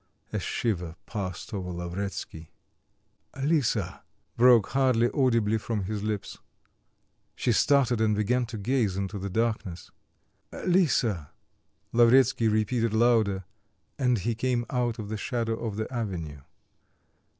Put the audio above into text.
A shiver passed over Lavretsky. "Lisa!" broke hardly audibly from his lips. She started and began to gaze into the darkness. "Lisa!" Lavretsky repeated louder, and he came out of the shadow of the avenue.